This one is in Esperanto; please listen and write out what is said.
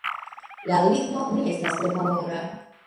La ligno ne estas tre valora.